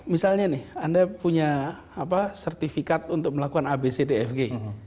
misalnya nih anda punya sertifikat untuk melakukan abcdfg